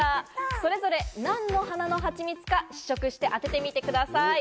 それぞれ何の花の蜂蜜か、試食して当ててみてください。